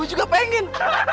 lu juga pengen